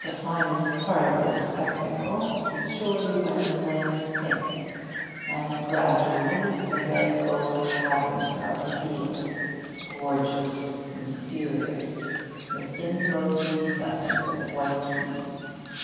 The finest part of this spectacle is surely when the flames sink, and gradually the red gold caverns are revealed, gorgeous, mysterious, with inmost recesses of white heat.